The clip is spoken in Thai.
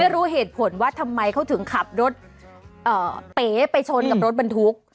รู้เหตุผลว่าทำไมเขาถึงขับรถเป๋ไปชนกับรถบรรทุก